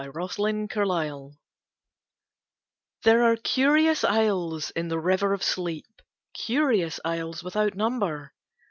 THE RIVER OF SLEEP THERE are curious isles in the River of Sleep, Curious isles without number.